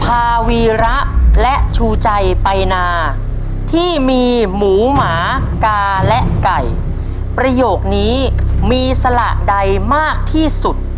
ภาวีระและชูใจไปนาที่มีหมูหมากาและไก่ประโยคนี้มีสละใดมากที่สุด